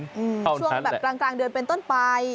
ช่วงแบบกลางกลางเดือนเป็นต้นไป